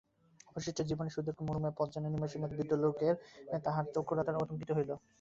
অবশিষ্ট জীবনের সুদীর্ঘ মরুময় পথ যেন নিমেষের মধ্যে বিদ্যুদালোকে তাঁহার চক্ষুতারকায় অঙ্কিত হইল।